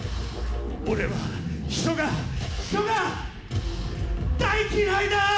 俺は、人が、人が、大嫌いだぁー！